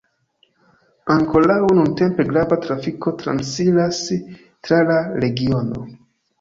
Ankoraŭ nuntempe grava trafiko transiras tra la regiono.